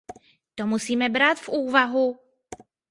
To musíme brát v úvahu.